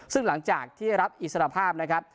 ซึ่งหลังจากที่รับอิสรภาพนะครับ